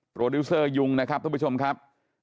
ดิวเซอร์ยุงนะครับทุกผู้ชมครับ